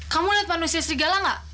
kamu liat manusia serigala gak